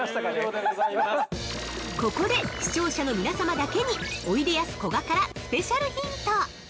◆ここで視聴者の皆様だけに、おいでやすこがからスペシャルヒント！